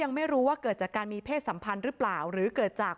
ยังไม่รู้ว่าเกิดจากการมีเพศสัมพันธ์หรือเปล่าหรือเกิดจาก